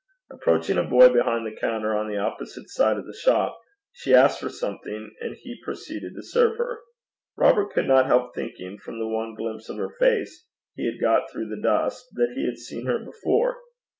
Approaching a boy behind the counter on the opposite side of the shop, she asked for something, and he proceeded to serve her. Robert could not help thinking, from the one glimpse of her face he had got through the dusk, that he had seen her before.